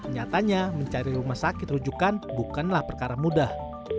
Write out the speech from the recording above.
nyatanya mencari rumah sakit rujukan bukanlah perkara mudah